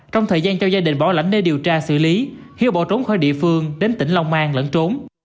trong thời gian cho gia đình bỏ lãnh để điều tra xử lý hiếu bỏ trốn khỏi địa phương đến tỉnh long an lẫn trốn